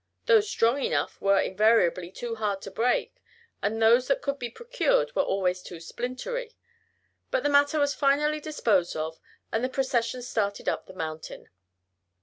Those strong enough were invariably too hard to break, and those that could be procured were always too "splintery." But the matter was finally disposed of, and the procession started up the mountain.